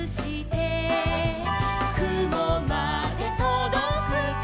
「くもまでとどくか」